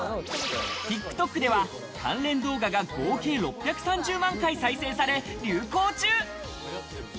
ＴｉｋＴｏｋでは関連動画が合計６３０万回再生され流行中。